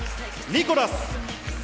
ニコラス。